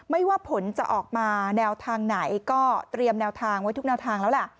ไม่ว่าผลจะออกมาแนวทางไหนก็เตรียมแนวทางไว้ทุกแนวทางแล้วแหละ